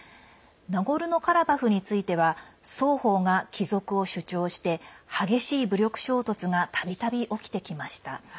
ナゴルノカラバフについては双方が帰属を主張して激しい武力衝突がたびたび起きてきました。